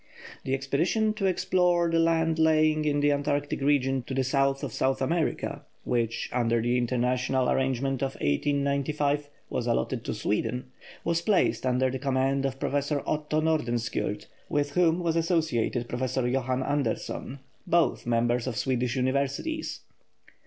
The expedition to explore the land lying in the Antarctic region to the south of South America, which, under the international arrangement of 1895, was allotted to Sweden, was placed under the command of Professor Otto Nordenskjold, with whom was associated Professor Johan Andersson, both members of Swedish Universities.